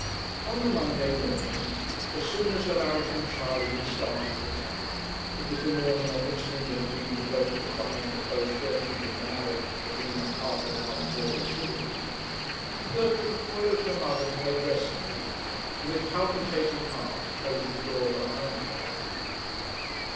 On the Monday morning, as soon as Alaric and Charley had started for town it was the morning on which Linda had been provoked to find that both Gertrude and Alaric had been up half an hour before they should have been Gertrude followed her mother to her dressing room, and with palpitating heart closed the door behind her.